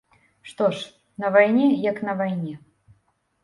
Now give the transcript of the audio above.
Што ж, на вайне як на вайне.